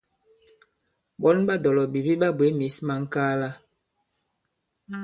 Ɓɔ̌n ɓa dɔ̀lɔ̀bìbi ɓa bwě mǐs ma ŋ̀kaala.